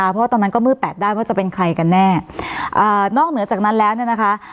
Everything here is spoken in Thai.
เพราะว่าตอนนั้นก็มืดแปดด้านว่าจะเป็นใครกันแน่อ่านอกเหนือจากนั้นแล้วเนี่ยนะคะ